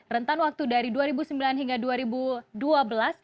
rentan waktu dari dua ribu sembilan hingga dua ribu dua belas